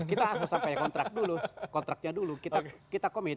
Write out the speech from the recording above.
kita harus sampai kontrak dulu kontraknya dulu kita komit